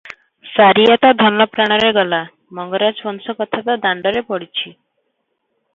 ସାରିଆ ତ ଧନ-ପ୍ରାଣରେ ଗଲା, ମଙ୍ଗରାଜ ବଂଶ କଥା ତ ଦାଣ୍ତରେ ପଡ଼ିଛି ।